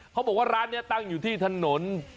เขาบอกว่าร้านนี้ตั้งอยู่ที่ถนน